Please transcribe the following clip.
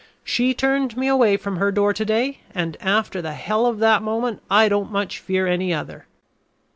She turned me away from her door to day, and after the hell of that moment I don't much fear any other."